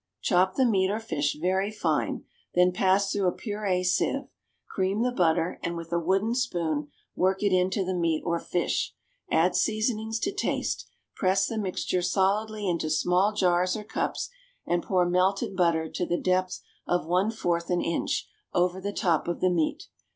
_ Chop the meat or fish very fine, then pass through a purée sieve; cream the butter and with a wooden spoon work it into the meat or fish; add seasonings to taste, press the mixture solidly into small jars or cups, and pour melted butter to the depth of one fourth an inch over the top of the meat.